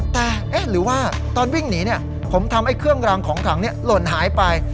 แต่เอ๊ะหรือว่าตอนวิ่งหนีเนี่ยผมทำไอเครื่องรางของขลังเนี่ยหล่นหายไป